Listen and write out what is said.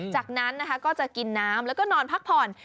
จากนั้นนะคะก็จะกินน้ำแล้วก็นอนพักผ่อน